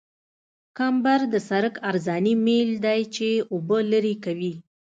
کمبر د سرک عرضاني میل دی چې اوبه لرې کوي